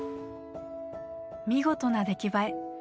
見事な出来栄え！